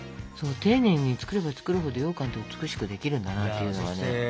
丁寧に作れば作るほどようかんって美しくできるんだなっていうのがね。